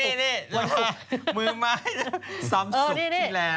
นี่มือม้าซ้ำสุกจริงแล้ว